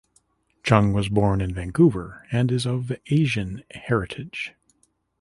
Chung was born in Vancouver and is of Asian heritage.